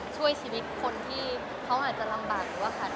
ช่วยชีวิตคนที่เขาอาจจะลำบากหรือว่าค่ะ